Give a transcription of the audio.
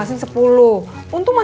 maksudnya ada kucing itu